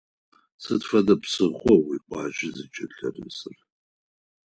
Сыд фэдэ псыхъуа уикъуаджэ зыкӏэлъырысыр?